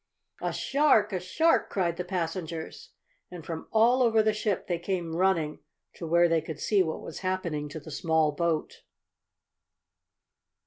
"A shark! A shark!" cried the passengers, and from all over the ship they came running to where they could see what was happening to the small boat.